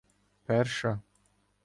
Перша